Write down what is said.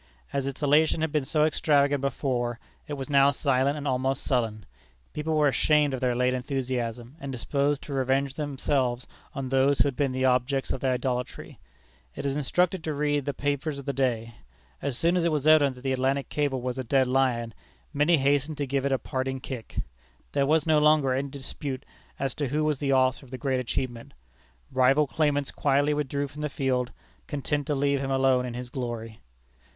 As its elation had been so extravagant before, it was now silent and almost sullen. People were ashamed of their late enthusiasm, and disposed to revenge themselves on those who had been the objects of their idolatry. It is instructive to read the papers of the day. As soon as it was evident that the Atlantic cable was a dead lion, many hastened to give it a parting kick. There was no longer any dispute as to who was the author of the great achievement. Rival claimants quietly withdrew from the field, content to leave him alone in his glory.